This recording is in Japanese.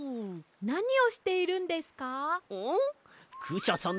なにをしているんですか？